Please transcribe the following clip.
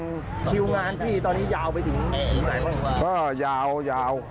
กิวงานของที่ตอนนี้ยาวไปถึงหรือไหนมาก